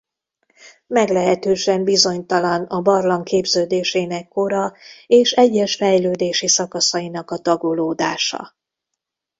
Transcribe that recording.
Meglehetősen bizonytalan a barlang képződésének kora és egyes fejlődési szakaszainak a tagolódása.